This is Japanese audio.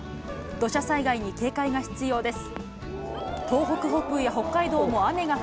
土砂災害に警戒が必要です。